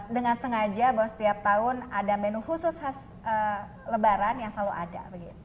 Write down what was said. dengan sengaja bahwa setiap tahun ada menu khusus khas lebaran yang selalu ada